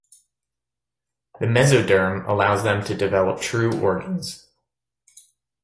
The mesoderm allows them to develop true organs.